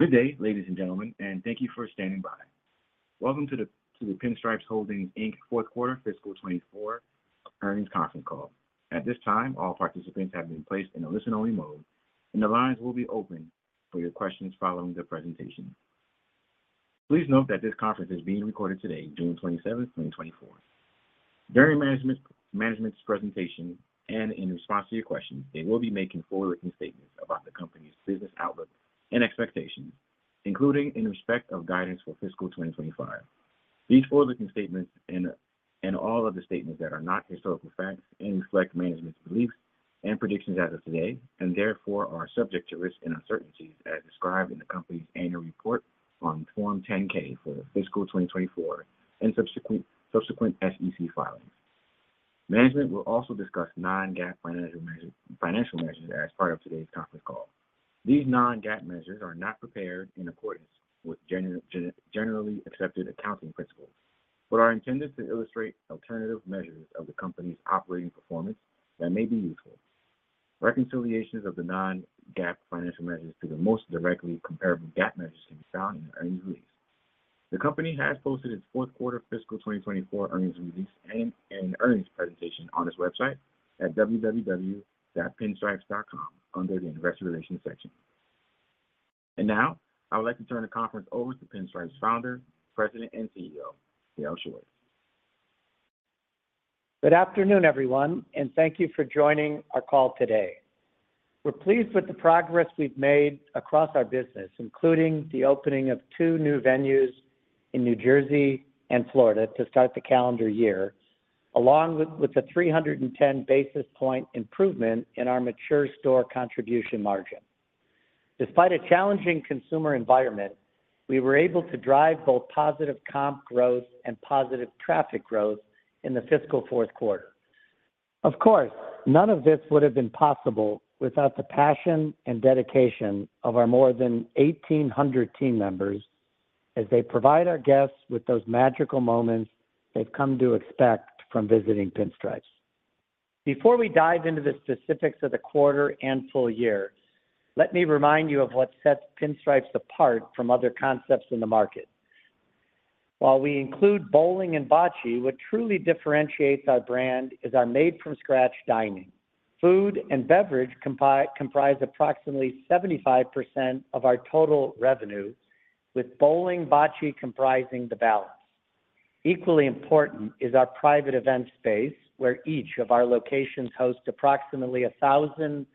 Good day, ladies and gentlemen, and thank you for standing by. Welcome to the Pinstripes Holdings, Inc., fourth quarter fiscal 2024 earnings conference call. At this time, all participants have been placed in a listen-only mode, and the lines will be open for your questions following the presentation. Please note that this conference is being recorded today, June 27, 2024. During management's presentation, and in response to your questions, they will be making forward-looking statements about the company's business outlook and expectations, including in respect of guidance for fiscal 2025. These forward-looking statements and all of the statements that are not historical facts, reflect management's beliefs and predictions as of today, and therefore are subject to risks and uncertainties as described in the company's annual report on Form 10-K for fiscal 2024 and subsequent SEC filings. Management will also discuss non-GAAP financial measures, financial measures as part of today's conference call. These non-GAAP measures are not prepared in accordance with generally accepted accounting principles, but are intended to illustrate alternative measures of the company's operating performance that may be useful. Reconciliations of the non-GAAP financial measures to the most directly comparable GAAP measures can be found in the earnings release. The company has posted its fourth quarter fiscal 2024 earnings release and earnings presentation on its website at www.pinstripes.com under the Investor Relations section. And now, I would like to turn the conference over to Pinstripes' Founder, President, and CEO, Dale Schwartz. Good afternoon, everyone, and thank you for joining our call today. We're pleased with the progress we've made across our business, including the opening of two new venues in New Jersey and Florida to start the calendar year, along with a 310 basis point improvement in our mature store contribution margin. Despite a challenging consumer environment, we were able to drive both positive comp growth and positive traffic growth in the fiscal fourth quarter. Of course, none of this would have been possible without the passion and dedication of our more than 1,800 team members as they provide our guests with those magical moments they've come to expect from visiting Pinstripes. Before we dive into the specifics of the quarter and full year, let me remind you of what sets Pinstripes apart from other concepts in the market. While we include bowling and bocce, what truly differentiates our brand is our made-from-scratch dining. Food and beverage comprise approximately 75% of our total revenue, with bowling, bocce comprising the balance. Equally important is our private event space, where each of our locations host approximately 1,000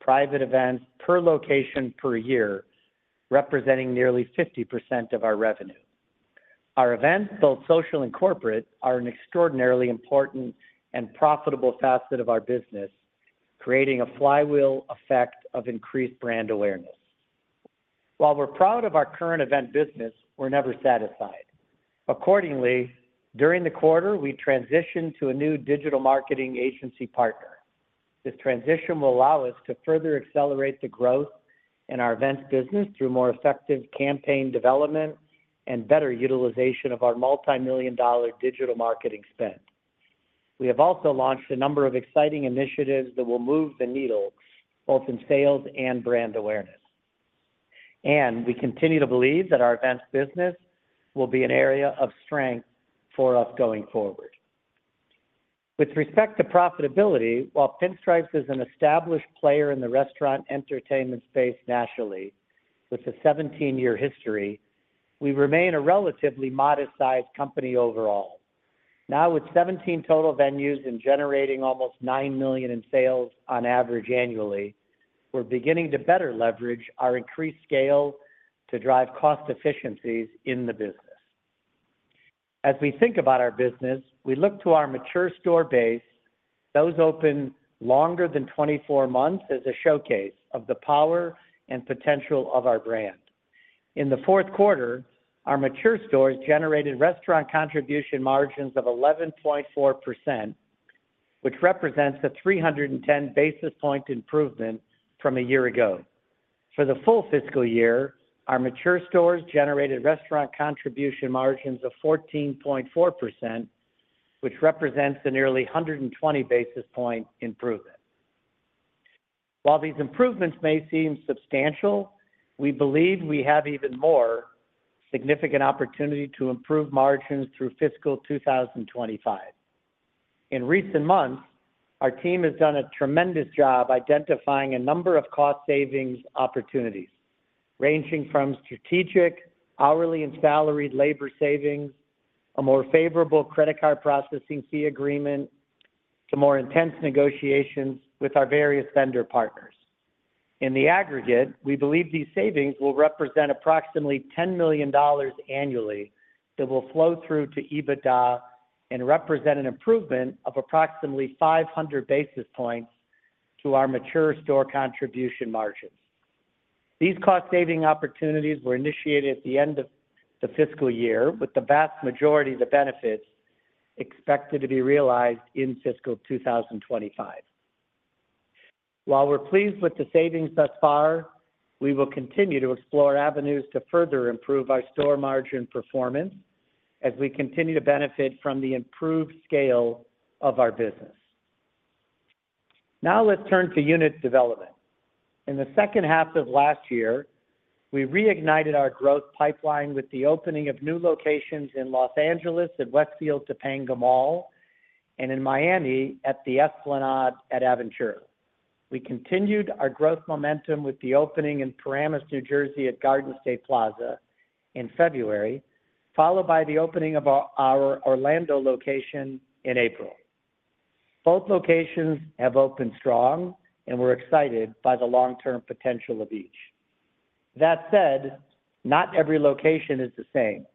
private events per location per year, representing nearly 50% of our revenue. Our events, both social and corporate, are an extraordinarily important and profitable facet of our business, creating a flywheel effect of increased brand awareness. While we're proud of our current event business, we're never satisfied. Accordingly, during the quarter, we transitioned to a new digital marketing agency partner. This transition will allow us to further accelerate the growth in our events business through more effective campaign development and better utilization of our multimillion-dollar digital marketing spend. We have also launched a number of exciting initiatives that will move the needle both in sales and brand awareness. We continue to believe that our events business will be an area of strength for us going forward. With respect to profitability, while Pinstripes is an established player in the restaurant entertainment space nationally with a 17-year history, we remain a relatively modest-sized company overall. Now, with 17 total venues and generating almost $9 million in sales on average annually, we're beginning to better leverage our increased scale to drive cost efficiencies in the business. As we think about our business, we look to our mature store base, those open longer than 24 months, as a showcase of the power and potential of our brand. In the fourth quarter, our mature stores generated restaurant contribution margins of 11.4%, which represents a 310 basis point improvement from a year ago. For the full fiscal year, our mature stores generated restaurant contribution margins of 14.4%, which represents a nearly 120 basis point improvement. While these improvements may seem substantial, we believe we have even more significant opportunity to improve margins through fiscal 2025. In recent months, our team has done a tremendous job identifying a number of cost savings opportunities, ranging from strategic, hourly, and salaried labor savings, a more favorable credit card processing fee agreement, to more intense negotiations with our various vendor partners. In the aggregate, we believe these savings will represent approximately $10 million annually that will flow through to EBITDA and represent an improvement of approximately 500 basis points to our mature store contribution margins. These cost-saving opportunities were initiated at the end of the fiscal year, with the vast majority of the benefits expected to be realized in fiscal 2025. While we're pleased with the savings thus far, we will continue to explore avenues to further improve our store margin performance as we continue to benefit from the improved scale of our business. Now let's turn to unit development. In the second half of last year, we reignited our growth pipeline with the opening of new locations in Los Angeles, at Westfield Topanga Mall, and in Miami at The Esplanade at Aventura. We continued our growth momentum with the opening in Paramus, New Jersey, at Garden State Plaza in February, followed by the opening of our Orlando location in April. Both locations have opened strong, and we're excited by the long-term potential of each. That said, not every location is the same.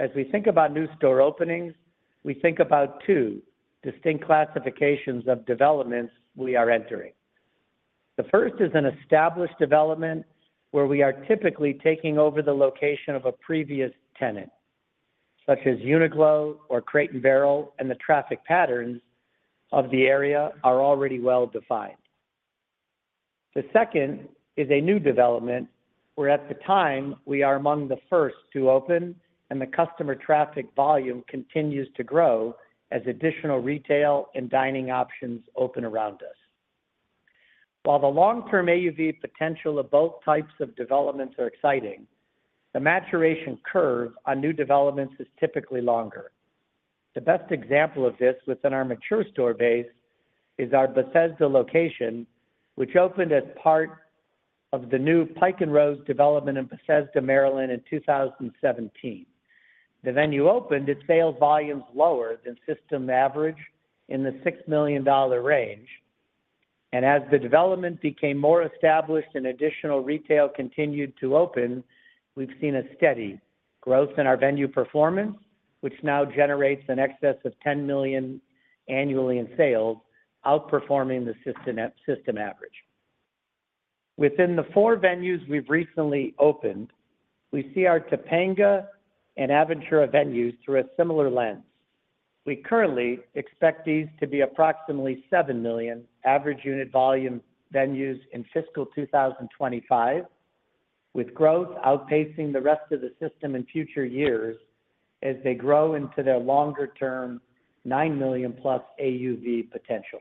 As we think about new store openings, we think about two distinct classifications of developments we are entering. The first is an established development, where we are typically taking over the location of a previous tenant, such as Uniqlo or Crate & Barrel, and the traffic patterns of the area are already well-defined. The second is a new development, where at the time we are among the first to open, and the customer traffic volume continues to grow as additional retail and dining options open around us. While the long-term AUV potential of both types of developments are exciting, the maturation curve on new developments is typically longer. The best example of this within our mature store base is our Bethesda location, which opened as part of the new Pike & Rose development in Bethesda, Maryland, in 2017. The venue opened its sales volumes lower than system average in the $6 million range, and as the development became more established and additional retail continued to open, we've seen a steady growth in our venue performance, which now generates in excess of $10 million annually in sales, outperforming the system average. Within the four venues we've recently opened, we see our Topanga and Aventura venues through a similar lens. We currently expect these to be approximately $7 million AUV venues in fiscal 2025, with growth outpacing the rest of the system in future years as they grow into their longer-term $9+ million AUV potential.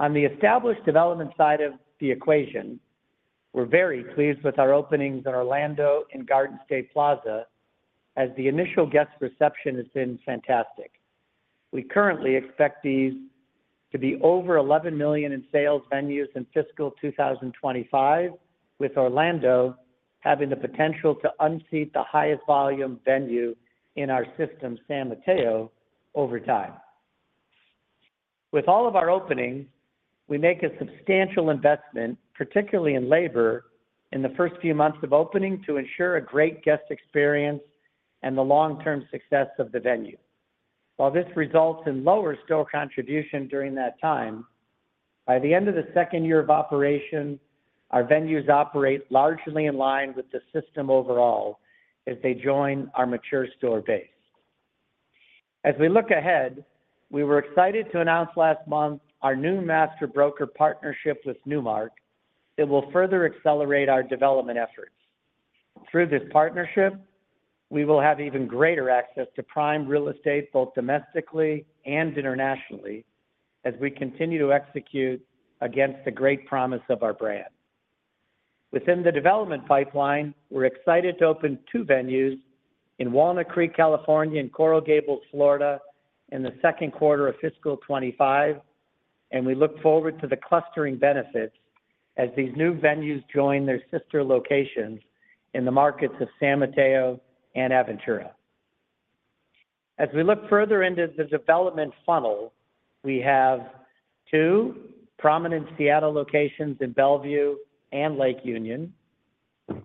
On the established development side of the equation, we're very pleased with our openings in Orlando and Garden State Plaza, as the initial guest reception has been fantastic. We currently expect these to be over $11 million in sales venues in fiscal 2025, with Orlando having the potential to unseat the highest volume venue in our system, San Mateo, over time. With all of our openings, we make a substantial investment, particularly in labor, in the first few months of opening, to ensure a great guest experience and the long-term success of the venue. While this results in lower store contribution during that time, by the end of the second year of operation, our venues operate largely in line with the system overall as they join our mature store base. As we look ahead, we were excited to announce last month our new master broker partnership with Newmark. It will further accelerate our development efforts. Through this partnership, we will have even greater access to prime real estate, both domestically and internationally, as we continue to execute against the great promise of our brand. Within the development pipeline, we're excited to open two venues in Walnut Creek, California, and Coral Gables, Florida, in the second quarter of fiscal 2025, and we look forward to the clustering benefits as these new venues join their sister locations in the markets of San Mateo and Aventura. As we look further into the development funnel, we have two prominent Seattle locations in Bellevue and Lake Union,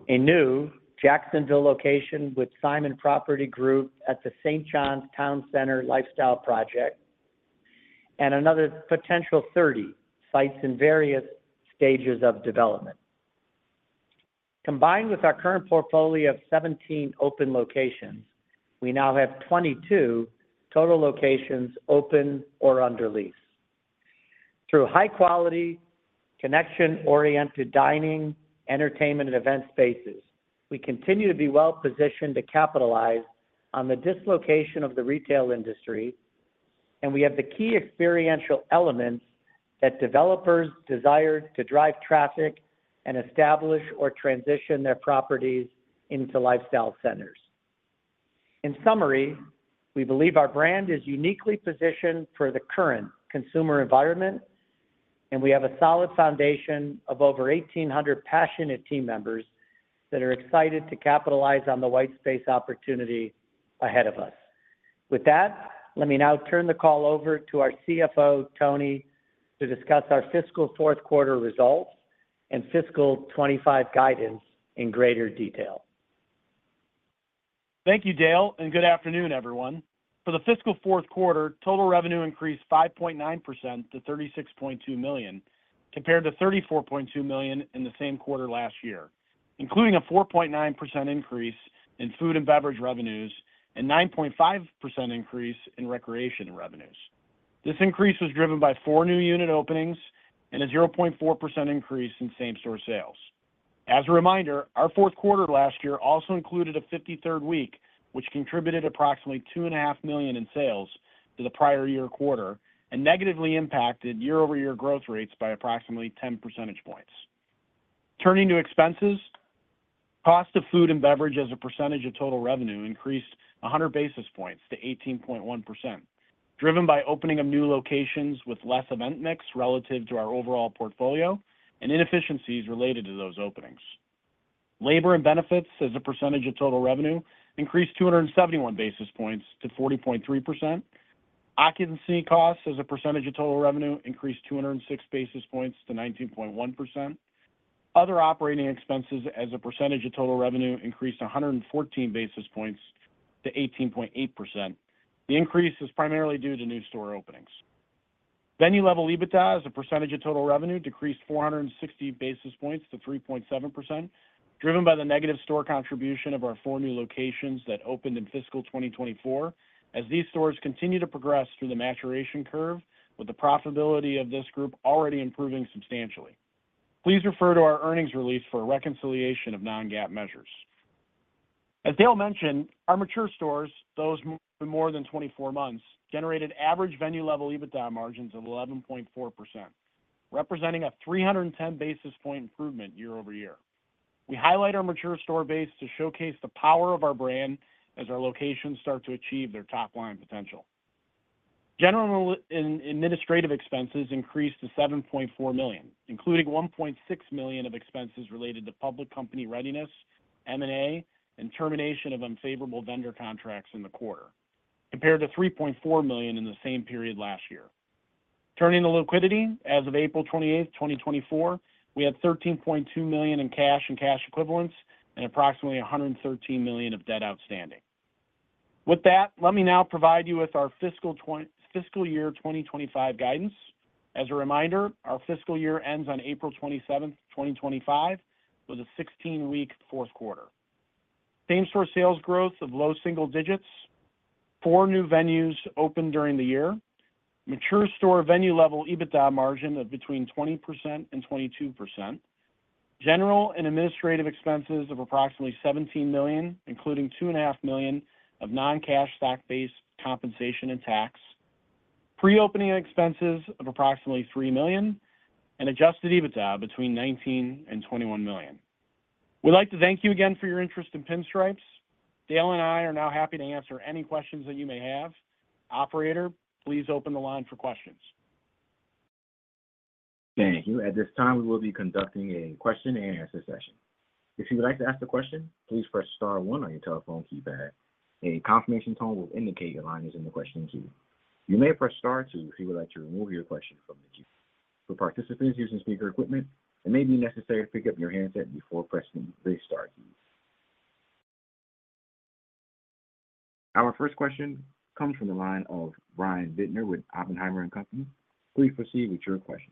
a new Jacksonville location with Simon Property Group at the St. Johns Town Center Lifestyle project, and another potential 30 sites in various stages of development. Combined with our current portfolio of 17 open locations, we now have 22 total locations open or under lease. Through high quality, connection-oriented dining, entertainment, and event spaces, we continue to be well positioned to capitalize on the dislocation of the retail industry, and we have the key experiential elements that developers desire to drive traffic and establish or transition their properties into lifestyle centers. In summary, we believe our brand is uniquely positioned for the current consumer environment, and we have a solid foundation of over 1,800 passionate team members that are excited to capitalize on the white space opportunity ahead of us. With that, let me now turn the call over to our CFO, Tony, to discuss our fiscal fourth quarter results and fiscal 2025 guidance in greater detail. Thank you, Dale, and good afternoon, everyone. For the fiscal fourth quarter, total revenue increased 5.9% to $36.2 million, compared to $34.2 million in the same quarter last year, including a 4.9% increase in food and beverage revenues and 9.5% increase in recreation revenues. This increase was driven by four new unit openings and a 0.4% increase in same-store sales. As a reminder, our fourth quarter last year also included a 53rd week, which contributed approximately $2.5 million in sales to the prior year quarter and negatively impacted year-over-year growth rates by approximately 10 percentage points. Turning to expenses, cost of food and beverage as a percentage of total revenue increased 100 basis points to 18.1%, driven by opening of new locations with less event mix relative to our overall portfolio and inefficiencies related to those openings. Labor and benefits as a percentage of total revenue increased 271 basis points to 40.3%. Occupancy costs as a percentage of total revenue increased 206 basis points to 19.1%. Other operating expenses as a percentage of total revenue increased 114 basis points to 18.8%. The increase is primarily due to new store openings. Venue-level EBITDA as a percentage of total revenue decreased 460 basis points to 3.7%, driven by the negative store contribution of our four new locations that opened in fiscal 2024, as these stores continue to progress through the maturation curve, with the profitability of this group already improving substantially. Please refer to our earnings release for a reconciliation of non-GAAP measures. As Dale mentioned, our mature stores, those more than 24 months, generated average venue-level EBITDA margins of 11.4%, representing a 310 basis point improvement year-over-year. We highlight our mature store base to showcase the power of our brand as our locations start to achieve their top-line potential. General and administrative expenses increased to $7.4 million, including $1.6 million of expenses related to public company readiness, M&A, and termination of unfavorable vendor contracts in the quarter, compared to $3.4 million in the same period last year. Turning to liquidity, as of April 28, 2024, we had $13.2 million in cash and cash equivalents and approximately $113 million of debt outstanding. With that, let me now provide you with our fiscal year 2025 guidance. As a reminder, our fiscal year ends on April 27, 2025, with a 16-week fourth quarter. Same-store sales growth of low single digits. Four new venues opened during the year. Mature store venue-level EBITDA margin of between 20% and 22%. General and administrative expenses of approximately $17 million, including $2.5 million of non-cash stock-based compensation and tax. Pre-opening expenses of approximately $3 million, and adjusted EBITDA between $19 million and $21 million. We'd like to thank you again for your interest in Pinstripes. Dale and I are now happy to answer any questions that you may have. Operator, please open the line for questions. Thank you. At this time, we will be conducting a question-and-answer session. If you would like to ask a question, please press star one on your telephone keypad. A confirmation tone will indicate your line is in the question queue. You may press star two if you would like to remove your question from the queue. For participants using speaker equipment, it may be necessary to pick up your handset before pressing the star key. Our first question comes from the line of Brian Bittner with Oppenheimer and Company. Please proceed with your question.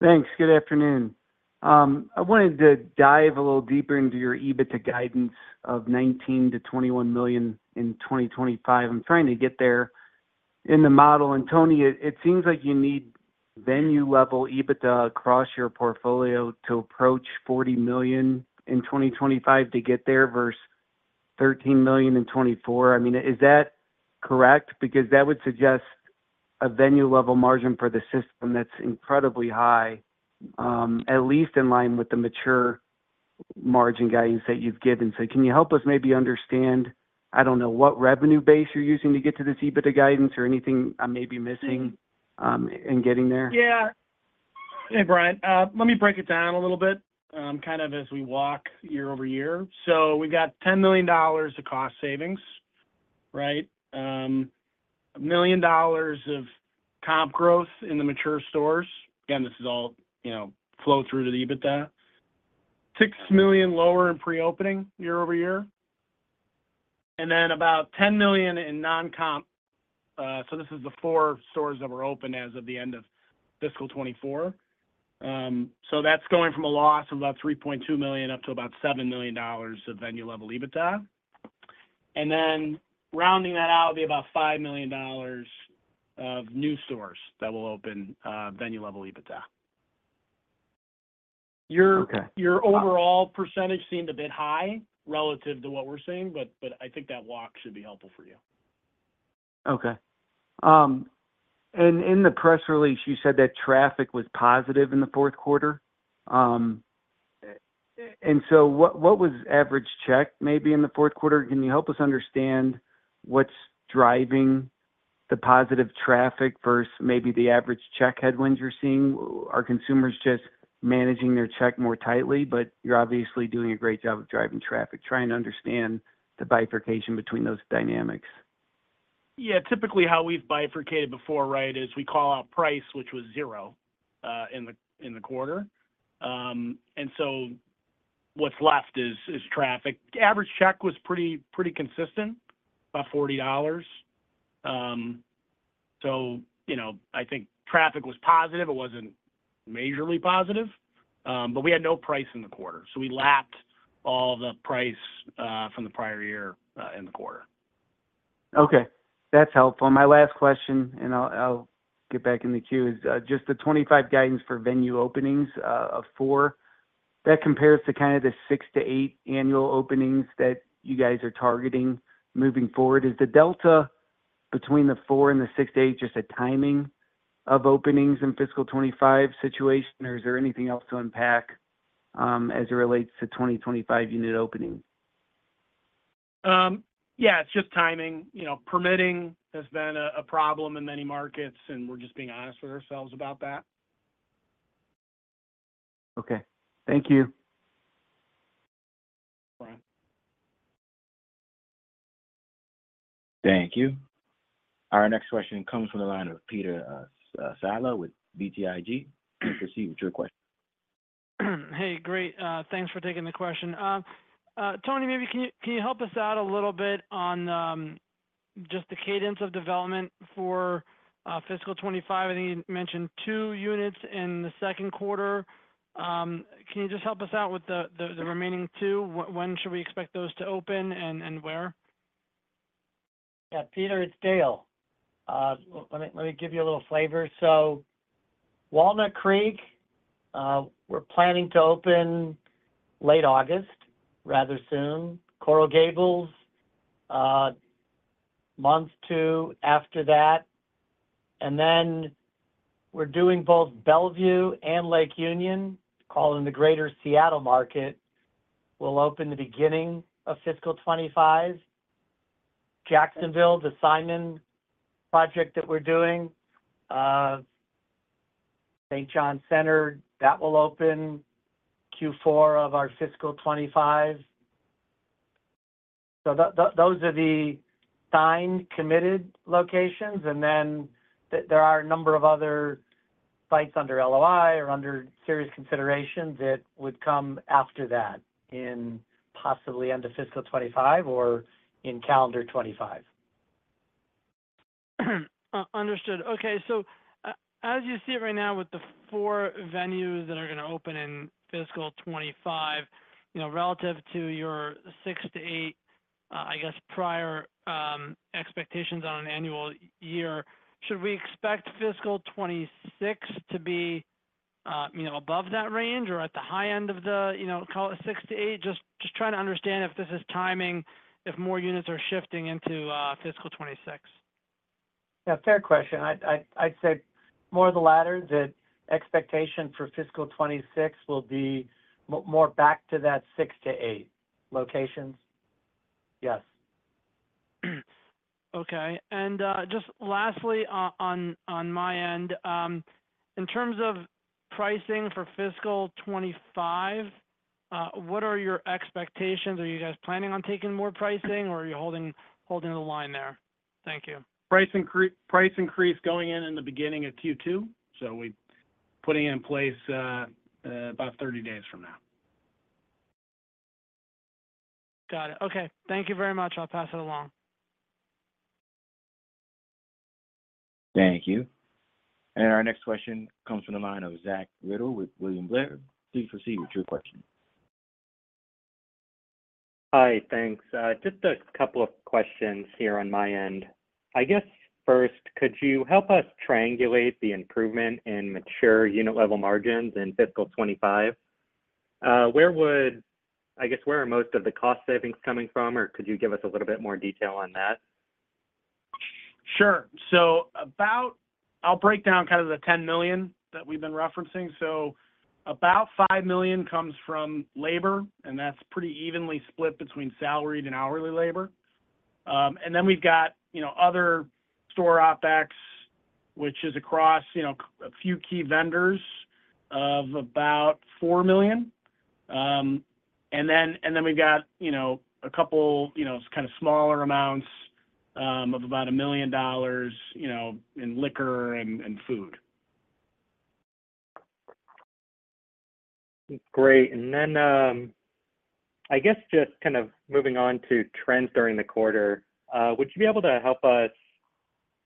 Thanks. Good afternoon. I wanted to dive a little deeper into your EBITDA guidance of $19 million-$21 million in 2025. I'm trying to get there in the model. And Tony, it seems like you need venue-level EBITDA across your portfolio to approach $40 million in 2025 to get there, versus $13 million in 2024. I mean, is that correct? Because that would suggest a venue-level margin for the system that's incredibly high, at least in line with the mature margin guidance that you've given. So can you help us maybe understand, I don't know, what revenue base you're using to get to this EBITDA guidance or anything I may be missing in getting there? Yeah. Hey, Brian, let me break it down a little bit, kind of as we walk year-over-year. So we've got $10 million of cost savings, right? $1 million of comp growth in the mature stores. Again, this is all, you know, flow through to the EBITDA. $6 million lower in pre-opening year-over-year, and then about $10 million in non-comp. So this is the four stores that were open as of the end of fiscal 2024. So that's going from a loss of about $3.2 million, up to about $7 million of venue-level EBITDA. And then rounding that out will be about $5 million of new stores that will open, venue-level EBITDA. Okay. Your overall percentage seemed a bit high relative to what we're seeing, but I think that walk should be helpful for you. Okay. And in the press release, you said that traffic was positive in the fourth quarter. And so what, what was average check maybe in the fourth quarter? Can you help us understand what's driving the positive traffic versus maybe the average check headwinds you're seeing? Are consumers just managing their check more tightly? But you're obviously doing a great job of driving traffic. Trying to understand the bifurcation between those dynamics. Yeah, typically how we've bifurcated before, right, is we call out price, which was zero in the quarter. And so what's left is traffic. Average check was pretty consistent, about $40. So, you know, I think traffic was positive. It wasn't majorly positive, but we had no price in the quarter, so we lapped all the price from the prior year in the quarter. Okay, that's helpful. My last question, and I'll, I'll get back in the queue, is just the 25 guidance for venue openings of four. That compares to kind of the six to eight annual openings that you guys are targeting moving forward. Is the delta between the four and the six to eight just a timing of openings in fiscal 2025 situation, or is there anything else to unpack, as it relates to 2025 unit openings? Yeah, it's just timing. You know, permitting has been a problem in many markets, and we're just being honest with ourselves about that. Okay. Thank you. Thank you. Our next question comes from the line of Peter Saleh with BTIG. Please proceed with your question. Hey, great. Thanks for taking the question. Tony, maybe can you, can you help us out a little bit on, just the cadence of development for, fiscal 25? I think you mentioned two units in the second quarter. Can you just help us out with the remaining two? When should we expect those to open and where? Yeah, Peter, it's Dale. Well, let me give you a little flavor. So Walnut Creek, we're planning to open late August, rather soon. Coral Gables, month two after that. And then we're doing both Bellevue and Lake Union, located in the Greater Seattle market, will open the beginning of fiscal 2025. Jacksonville, the Simon project that we're doing, St. Johns Town Center, that will open Q4 of our fiscal 2025. So those are the signed, committed locations, and then there are a number of other sites under LOI or under serious consideration that would come after that in possibly end of fiscal 2025 or in calendar 2025. Understood. Okay, so as you see it right now with the four venues that are gonna open in fiscal 2025, you know, relative to your six to eight, I guess, prior expectations on an annual year, should we expect fiscal 2026 to be, you know, above that range or at the high end of the, you know, call it six to eight? Just trying to understand if this is timing, if more units are shifting into fiscal 2026. Yeah, fair question. I'd say more of the latter, that expectation for fiscal 2026 will be more back to that six to eight locations. Yes. Okay, and just lastly, on my end, in terms of pricing for fiscal 2025, what are your expectations? Are you guys planning on taking more pricing, or are you holding the line there? Thank you. Price increase, price increase going in in the beginning of Q2, so we putting in place about 30 days from now. Got it. Okay, thank you very much. I'll pass it along. Thank you. Our next question comes from the line of Zach Riddle with William Blair. Please proceed with your question. Hi, thanks. Just a couple of questions here on my end. I guess first, could you help us triangulate the improvement in mature unit level margins in fiscal 2025? Where are most of the cost savings coming from, or could you give us a little bit more detail on that? Sure. So about, I'll break down kind of the $10 million that we've been referencing. So about $5 million comes from labor, and that's pretty evenly split between salaried and hourly labor. And then we've got, you know, other store OpEx, which is across, you know, a few key vendors of about $4 million. And then we've got, you know, a couple, you know, kind of smaller amounts, of about $1 million, you know, in liquor and food. Great. And then, I guess just kind of moving on to trends during the quarter, would you be able to help us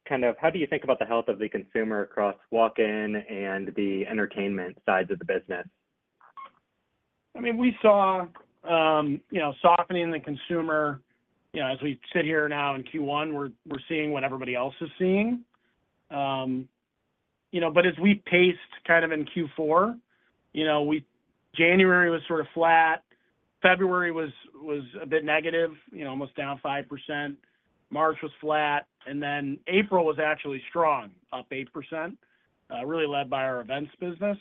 kind of how do you think about the health of the consumer across walk-in and the entertainment sides of the business? I mean, we saw, you know, softening in the consumer. You know, as we sit here now in Q1, we're seeing what everybody else is seeing. You know, but as we paced kind of in Q4, you know, January was sort of flat. February was a bit negative, you know, almost down 5%. March was flat, and then April was actually strong, up 8%, really led by our events business.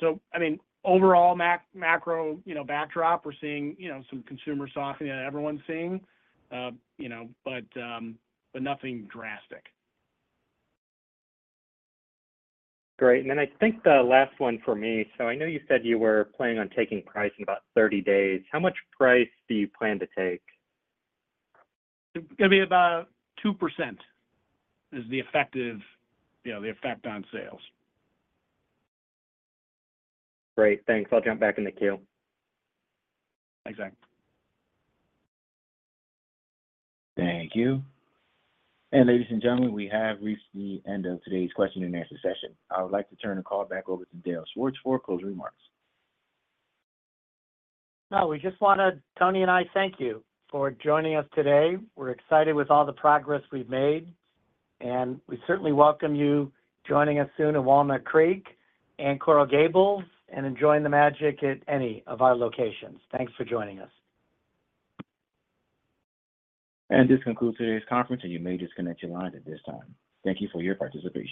So, I mean, overall, macro, you know, backdrop, we're seeing, you know, some consumer softening that everyone's seeing, you know, but, but nothing drastic. Great. And then I think the last one for me. So I know you said you were planning on taking price in about 30 days. How much price do you plan to take? It's gonna be about 2%, is the effective, you know, the effect on sales. Great, thanks. I'll jump back in the queue. Thanks, Zach. Thank you. Ladies and gentlemen, we have reached the end of today's question and answer session. I would like to turn the call back over to Dale Schwartz for closing remarks. Well, we just want to, Tony and I, thank you for joining us today. We're excited with all the progress we've made, and we certainly welcome you joining us soon in Walnut Creek and Coral Gables, and enjoying the magic at any of our locations. Thanks for joining us. This concludes today's conference, and you may disconnect your lines at this time. Thank you for your participation.